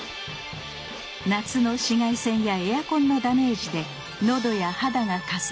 夏の紫外線やエアコンのダメージでのどや肌がカサカサに。